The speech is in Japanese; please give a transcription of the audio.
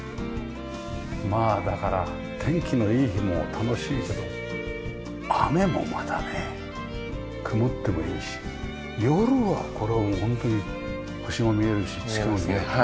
まあだから天気のいい日も楽しいけど雨もまたね曇ってもいいし夜はこれはもうホントに星も見えるし月も見える。